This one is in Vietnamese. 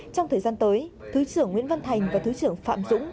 trong thời gian tới thứ trưởng nguyễn văn thành và thứ trưởng phạm dũng